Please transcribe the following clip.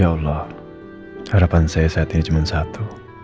ya allah harapan saya saat ini cuma satu